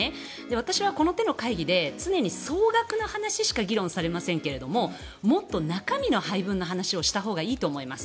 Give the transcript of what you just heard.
私はこの手の会議で常に総額の話しか議論されませんけれどももっと中身の配分の話をしたほうがいいと思います。